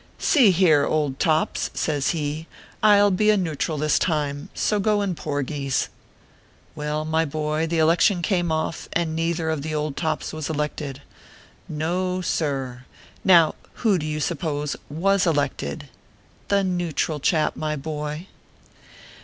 "See here, old tops," says he, "I ll be a neutral this time ; so go in porgies !" Well, my boy, the election came off, and neither of the old tops was elected. No, sir ! Now, who do you suppose ivas elected ? The Neutral Chap, my boy